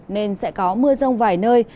nên sẽ có mưa rông vài nơi